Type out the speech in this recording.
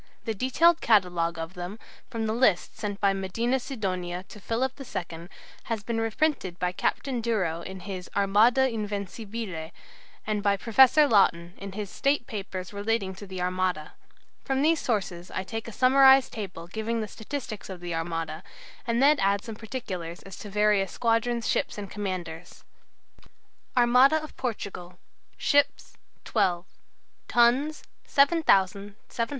The detailed catalogue of them, from the list sent by Medina Sidonia to Philip II, has been reprinted by Captain Duro in his "Armada Invencibile," and by Professor Laughton in his "State Papers relating to the Armada." From these sources I take a summarized table giving the statistics of the Armada, and then add some particulars as to various squadrons, ships, and commanders: ++++++ Divisions. | Ships. | Tons. | Guns.| Soldiers.|Sailors.